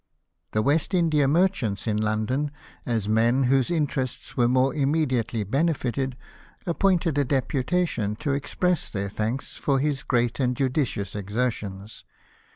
The West India merchants in London, as men whose interests were more imme diately benefited, appointed a deputation to express their thanks for his great and judicious exertions.